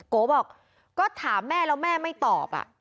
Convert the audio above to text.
โกบอกก็ถามแม่แล้วแม่ไม่ตอบ